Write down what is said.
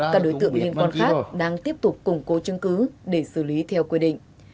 các đối tượng liên quan khác đang tiếp tục củng cố chứng cứ để xử lý theo quy định